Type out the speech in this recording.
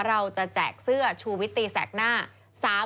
แจกเสื้อชูวิตตีแสกหน้า